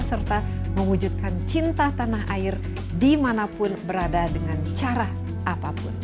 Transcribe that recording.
serta mewujudkan cinta tanah air dimanapun berada dengan cara apapun